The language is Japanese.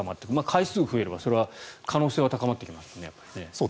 回数が増えれば、それは可能性は高まってきますね。